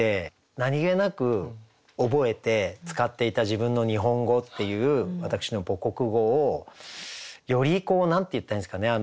何気なく覚えて使っていた自分の日本語っていう私の母国語をよりこう何て言ったらいいんですかね